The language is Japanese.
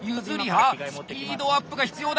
楪スピードアップが必要だ！